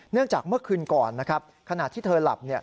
จากเมื่อคืนก่อนนะครับขณะที่เธอหลับ